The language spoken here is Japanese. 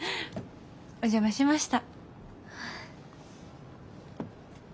お邪魔しました。